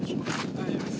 大丈夫です。